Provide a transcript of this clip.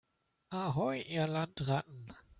Ahoi, ihr Landratten!